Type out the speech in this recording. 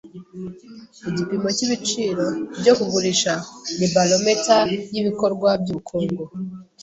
Igipimo cyibiciro byo kugurisha ni barometero yibikorwa byubukungu.